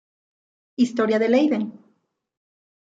Historia de Leiden.